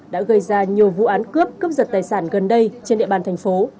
đã gây ra nhiều vụ án cướp cướp giật tài sản gần đây trên địa bàn thành phố